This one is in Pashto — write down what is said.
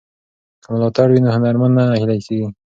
که ملاتړ وي نو هنرمند نه نهیلی کیږي.